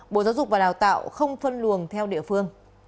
bộ giáo dục và đào tạo không phân luồng theo địa phương